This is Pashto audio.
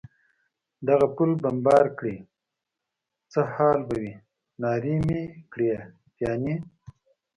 دغه پل بمبار کړي، څه حال به وي؟ نارې مې کړې: پیاني.